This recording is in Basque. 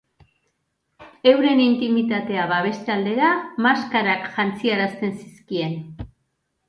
Euren intimitatea babeste aldera, maskarak jantziarazten zizkien.